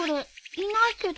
いないけど。